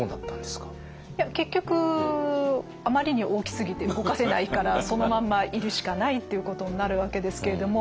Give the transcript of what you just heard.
結局あまりに大きすぎて動かせないからそのまんまいるしかないっていうことになるわけですけれども。